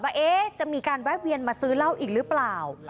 ว่าจะมีการแวะเวียนมาซื้อเหล้าอีกหรือเปล่า